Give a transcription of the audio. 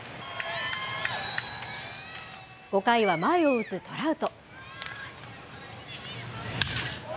５回は前を打つトラウト。